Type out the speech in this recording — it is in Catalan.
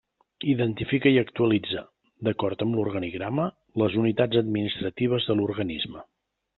Identifica i actualitza, d'acord amb l'organigrama, les unitats administratives de l'organisme.